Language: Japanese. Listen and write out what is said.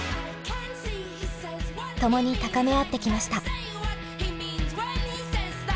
共に高め合ってきました。